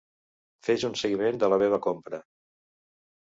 Fes un seguiment de la meva compra.